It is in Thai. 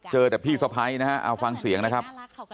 เจอแต่พี่สะพ้ายนะฮะเอาฟังเสียงนะครับ